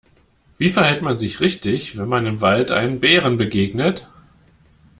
Wie verhält man sich richtig, wenn man im Wald einem Bären begegnet?